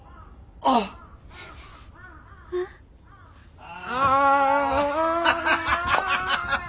ああ。